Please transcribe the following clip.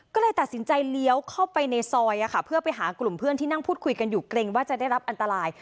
ก็เลยตัดสินใจเลี้ยวเข้าไปในซอยเพื่อไปหากลุ่มเพื่อนที่นั่งพูดคุยกันอยู่เกรงว่าจะได้รับอันตราย